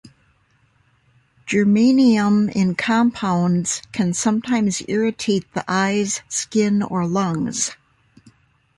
Germanium, in compounds, can sometimes irritate the eyes, skin, or lungs.